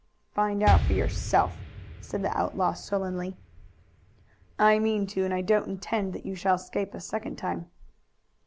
"Find out for yourself!" said the outlaw sullenly. "I mean to, and I don't intend that you shall escape a second time."